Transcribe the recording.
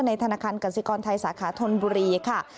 ธนาคารกสิกรไทยสาขาธนบุรีค่ะ